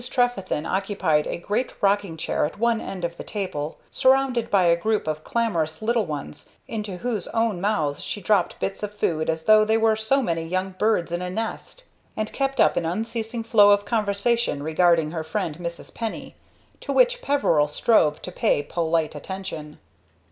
Trefethen occupied a great rocking chair at one end of the table, surrounded by a group of clamorous little ones, into whose open mouths she dropped bits of food as though they were so many young birds in a nest, and kept up an unceasing flow of conversation regarding her friend Mrs. Penny, to which Peveril strove to pay polite attention.